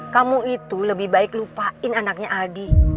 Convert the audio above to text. kamu itu lebih baik lupain anaknya adi